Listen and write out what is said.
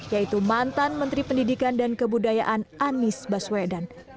yaitu mantan menteri pendidikan dan kebudayaan anies baswedan